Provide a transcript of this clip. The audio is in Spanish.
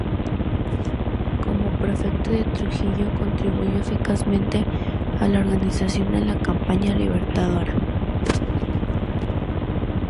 Como Prefecto de Trujillo contribuyó eficazmente a la organización de la campaña libertadora.